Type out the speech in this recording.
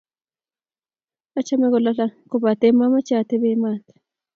Achame kolalang',kobate mamuchi atepe maat.